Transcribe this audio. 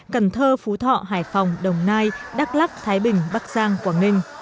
cần thơ phú thọ hải phòng đồng nai đắk lắc thái bình bắc giang quảng ninh